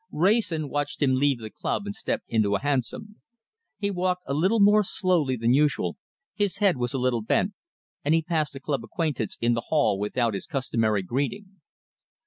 Wrayson watched him leave the club and step into a hansom. He walked a little more slowly than usual, his head was a little bent, and he passed a club acquaintance in the hall without his customary greeting.